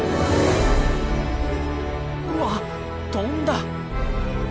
うわっ飛んだ！